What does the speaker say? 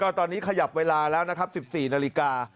ตอนนี้ขยับเวลาแล้วนะครับ๑๔นาฬิกา